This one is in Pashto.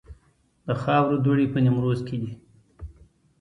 د خاورو دوړې په نیمروز کې دي